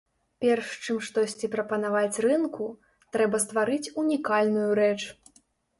Перш, чым штосьці прапанаваць рынку, трэба стварыць унікальную рэч.